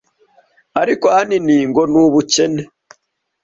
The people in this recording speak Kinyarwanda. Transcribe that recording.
ariko ahanini ngo ni ubukene